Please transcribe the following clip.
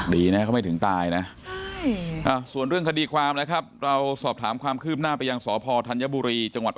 ดีนะเขาไม่ถึงตายนะส่วนเรื่องคดีความนะครับเราสอบถามความคืบหน้าไปยังสพธัญบุรีจังหวัด